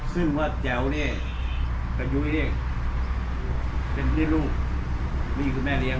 ซึ่งว่าแจ๋วนี่และอยู่นี่เป็นคนที่รู้วี่คือแม่เลี้ยง